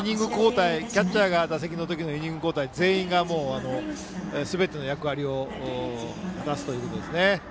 キャッチャーが打席の時のイニング交代全員、すべての役割を果たすということですね。